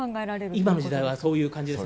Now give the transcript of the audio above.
今の時代はそういう感じですね。